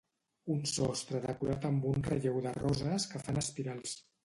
Un sostre decorat amb un relleu de roses que fan espirals